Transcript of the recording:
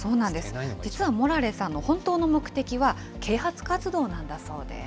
実はモラレさんの本当の目的は、啓発活動なんだそうです。